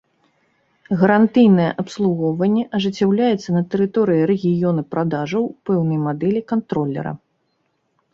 Гарантыйнае абслугоўванне ажыццяўляецца на тэрыторыі рэгіёну продажаў пэўнай мадэлі кантролера.